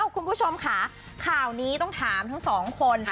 คุณผู้ชมค่ะข่าวนี้ต้องถามทั้งสองคน